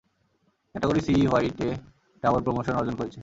Category সি-হোয়াইটে double promotion অর্জন করেছে।